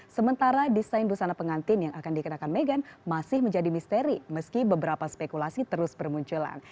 sementara desain busana pengantin yang akan dikenakan meghan masih menjadi misteri meski beberapa spekulasi terus bermunculan